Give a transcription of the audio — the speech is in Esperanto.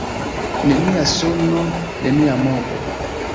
Nenia sono, nenia movo.